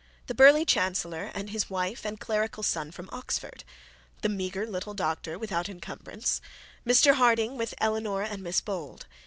The burly chancellor and his wife and clerical son from Oxford. The meagre little doctor without encumbrance. Mr Harding with Eleanor and Miss Bold.